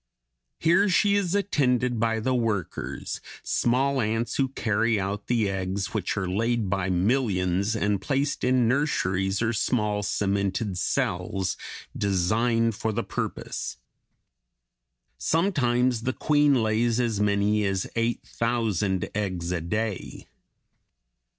Here she is attended by the workers, small ants, who carry out the eggs which are laid by millions and placed in nurseries or small cemented cells, designed for the purpose. Sometimes the queen lays as many as eight thousand eggs a day.